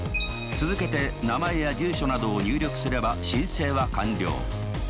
続けて名前や住所などを入力すれば申請は完了。